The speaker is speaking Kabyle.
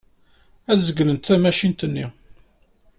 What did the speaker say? Ad zeglent tamacint-nni.